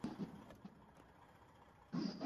'Chill be plain with you.